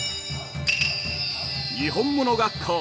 「にほんもの学校」